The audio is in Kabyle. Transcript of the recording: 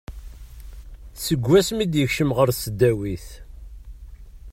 Seg wasmi i d-yekcem ɣer tesdawit.